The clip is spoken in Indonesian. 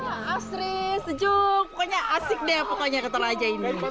astri sejuk pokoknya asik deh pokoknya ke toraja ini